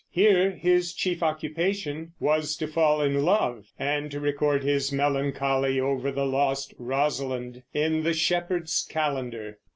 Here his chief occupation was to fall in love and to record his melancholy over the lost Rosalind in the Shepherd's Calendar.